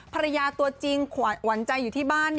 ภรรยาตัวจริงขวัญใจอยู่ที่บ้าน